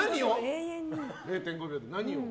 ０．５秒で何を？